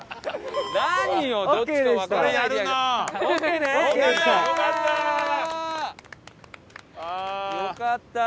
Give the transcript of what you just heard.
よかった！